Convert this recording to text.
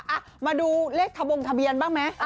อ่ะมาดูเลขทะบงทะเบียนบ้างไหม